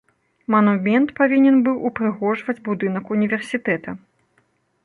Манумент павінен быў упрыгожваць будынак універсітэта.